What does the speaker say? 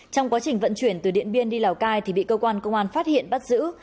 trong quá trình vận chuyển từ điện biên đi lào cai thì bị cơ quan công an phát hiện bắt giữ